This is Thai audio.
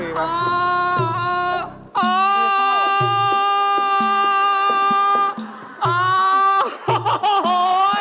เหมือนมีขวา